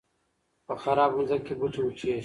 په خرابه ځمکه کې بوټی وچېږي.